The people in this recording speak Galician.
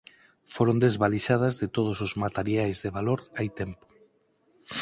Foron desvalixadas de todos os materiais de valor hai tempo.